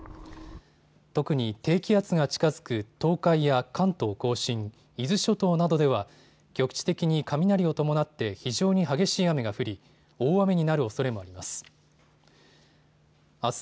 特に低気圧が近づく東海や関東甲信、伊豆諸島などでは局地的に雷を伴って非常に激しい雨が降り大雨になるおそれもあります。